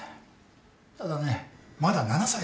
ただねまだ７歳だ。